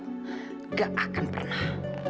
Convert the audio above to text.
nggak akan pernah